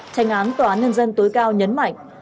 tranh án tòa án nhân dân tối cao nhấn mạnh